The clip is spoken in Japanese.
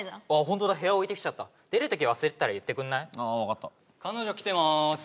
本当だ部屋置いてきちゃった出るとき忘れてたら言ってくんない？ああ分かった・彼女来てます